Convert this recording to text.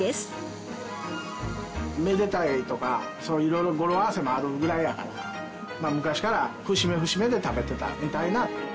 めでたいとか色々語呂合わせもあるぐらいやから昔から節目節目で食べてたみたいな。